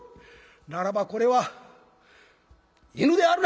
ならばこれは犬であるな？」。